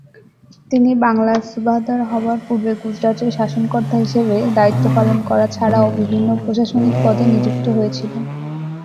তিনি বাংলার সুবাহদার হবার পূর্বে গুজরাটের শাসনকর্তা হিসেবে দায়িত্ব পালন করা ছাড়াও বিভিন্ন প্রশাসনিক পদে নিযুক্ত হয়েছিলেন।